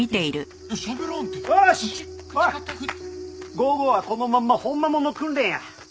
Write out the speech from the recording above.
午後はこのまんまほんまもんの訓練や。